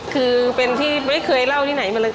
คือเป็นที่ไม่เคยเล่าที่ไหนมาเลย